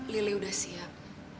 lili udah siap